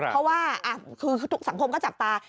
เพราะว่าคือสังคมก็จับตา